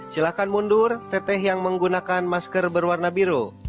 silahkan mundur teteh yang menggunakan masker berwarna biru